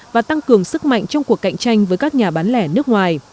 và tăng cường sức mạnh trong cuộc cạnh tranh với các nhà bán lẻ nước ngoài